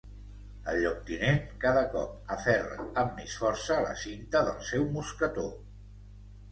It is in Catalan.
El lloctinent cada cop aferra amb més força la cinta del seu mosquetó.